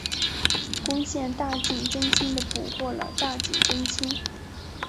攻陷大井贞清的捕获了大井贞清。